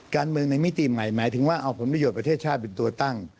การเมืองในมิติใหม่หมายถึงว่าเอาผลประโยชน์ประเทศชาติเป็นตัวตั้ง